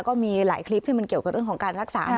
ก็มีหลายคลิปที่มันเกี่ยวกับเรื่องของการรักษา